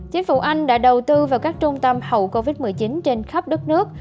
chính phủ anh đã đầu tư vào các trung tâm hậu covid một mươi chín trên khắp đất nước